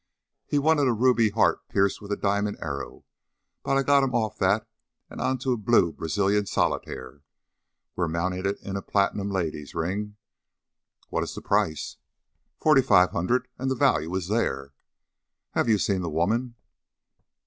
He wanted a ruby heart pierced with a diamond arrow, but I got him off that and onto a blue Brazilian solitaire. We're mounting it in a platinum lady's ring." "What is the price?" "Forty five hundred, and the value is there." "Have you seen the woman?"